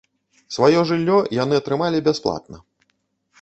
Сваё жыллё яны атрымалі бясплатна.